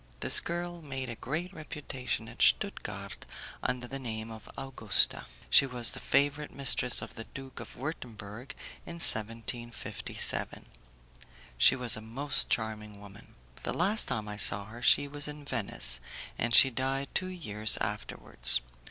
This girl made a great reputation at Stuttgard under the name of Augusta. She was the favourite mistress of the Duke of Wurtemburg in 1757. She was a most charming woman. The last time I saw her she was in Venice, and she died two years afterwards.